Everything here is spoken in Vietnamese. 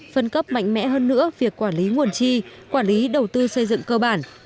phân cấp mạnh mẽ hơn nữa việc quản lý nguồn chi quản lý đầu tư xây dựng cơ bản